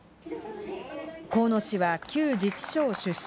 河野氏は旧自治省出身。